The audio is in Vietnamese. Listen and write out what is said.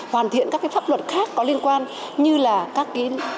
hoàn thiện các cái pháp luật khác có liên quan như là các cái